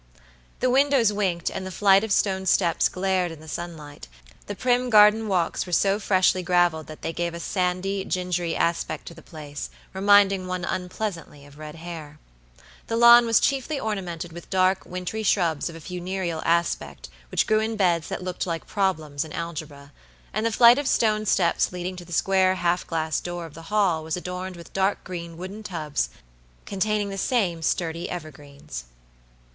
The windows winked and the flight of stone steps glared in the sunlight, the prim garden walks were so freshly graveled that they gave a sandy, gingery aspect to the place, reminding one unpleasantly of red hair. The lawn was chiefly ornamented with dark, wintry shrubs of a funereal aspect which grew in beds that looked like problems in algebra; and the flight of stone steps leading to the square half glass door of the hall was adorned with dark green wooden tubs containing the same sturdy evergreens.